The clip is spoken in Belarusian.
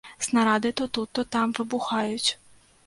Снарады то тут, то там выбухаюць.